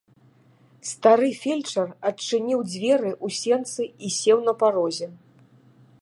Стары фельчар адчыніў дзверы ў сенцы і сеў на парозе.